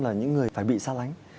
là những người phải bị xa lánh